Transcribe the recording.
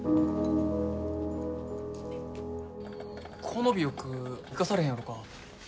この尾翼生かされへんやろか？